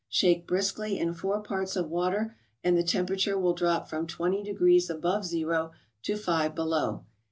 Shake briskly in 4 parts of water, and the temperature will drop from 20 degrees above zero, to 5 below.